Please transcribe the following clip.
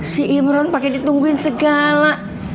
si imron pakai ditungguin segala